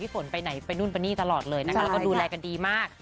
ฝนไปไหนไปนู่นไปนี่ตลอดเลยนะคะแล้วก็ดูแลกันดีมาก